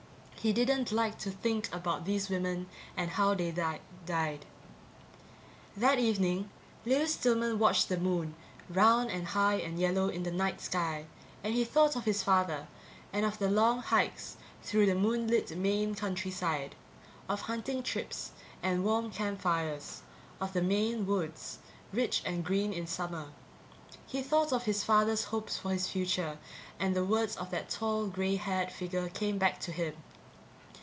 He didn't like to think about these women and how they died. That evening Lewis Stillman watched the moon, round and high and yellow in the night sky, and he thought of his father, and of the long hikes through the moonlit Maine countryside, of hunting trips and warm campfires, of the Maine woods, rich and green in summer. He thought of his father's hopes for his future and the words of that tall, gray haired figure came back to him.